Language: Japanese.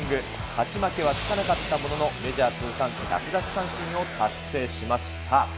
勝ち負けはつかなかったものの、メジャー通算１００奪三振を達成しました。